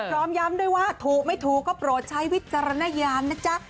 พร้อมย้ำด้วยว่าถูกไม่ถูกก็โปรดใช้วิจารณญาณนะจ๊ะ